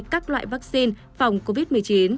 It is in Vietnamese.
các loại vaccine phòng covid một mươi chín